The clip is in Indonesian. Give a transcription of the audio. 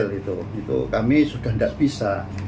dua puluh empat april itu kami sudah tidak bisa